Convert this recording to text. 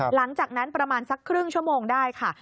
หลังจากนั้นประมาณสักครึ่งชั่วโมงได้ค่ะ